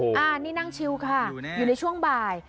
โอ้โหอ่านี่นั่งชิลค่ะอยู่แน่อยู่ในช่วงบ่าย